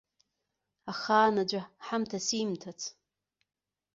Ахаан аӡәы ҳамҭа симҭац.